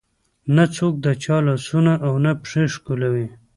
نه څوک د چا لاسونه او نه پښې ښکلوي.